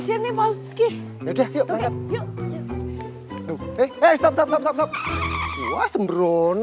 ya udah yuk